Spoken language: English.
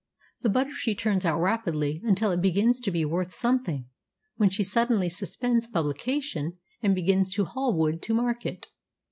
The butter she turns out rapidly until it begins to be worth something, when she suddenly suspends publication and begins to haul wood to market.